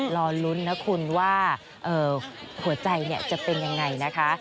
รอลุ้นนะคุณว่าหัวใจจะเป็นยังไงนะคะ